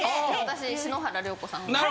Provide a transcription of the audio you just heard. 私篠原涼子さんを。